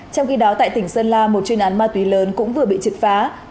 trong khi đó tại tỉnh sơn la một chuyên án ma túy lớn cũng vừa bị triệt phá